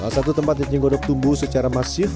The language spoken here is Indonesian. salah satu tempat eceng gondok tumbuh secara masif